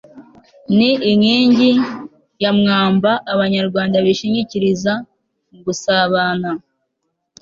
ni inkingi ya mwamba abanyarwanda bishingikiriza mugusabana